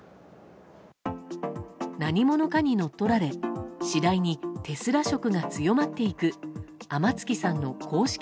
何者かに乗っ取られ次第にテスラ色が強まっていく天月さんの公式ＹｏｕＴｕｂｅ。